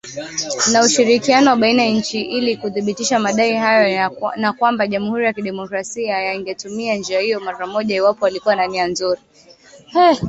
Na ushirikiano wa baina ya nchi ili kuthibitisha madai hayo na kwamba Jamuhuri ya kidemokrasia ya ingetumia njia hiyo mara moja iwapo walikuwa na nia nzuri